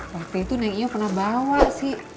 waktu itu neng io pernah bawa sih